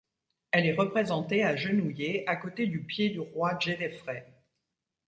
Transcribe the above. Elle est représentée agenouillée à côté du pied du roi Djédefrê.